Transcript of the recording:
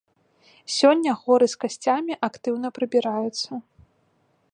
Сёння горы з касцямі актыўна прыбіраюцца.